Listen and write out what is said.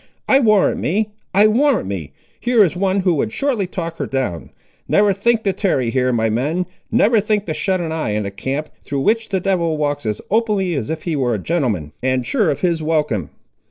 "I warrant me, I warrant me, here is one who would shortly talk her down! Never think to tarry here, my men; never think to shut an eye in a camp, through which the devil walks as openly as if he were a gentleman, and sure of his welcome.